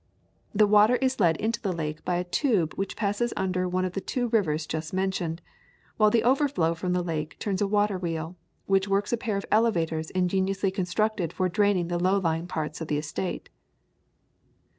The water is led into the lake by a tube which passes under one of the two rivers just mentioned, while the overflow from the lake turns a water wheel, which works a pair of elevators ingeniously constructed for draining the low lying parts of the estate.